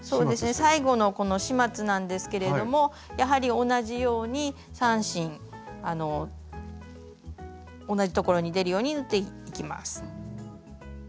最後のこの始末なんですけれどもやはり同じように３針同じところに出るように縫っていきます。